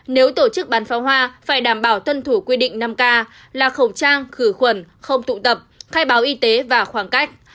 nếu tổ chức bắn pháo hoa phải đảm bảo tuân thủ quy định năm k là khẩu trang khử khuẩn không tụ tập khai báo y tế và khoảng cách